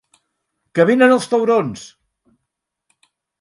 Que venen els taurons!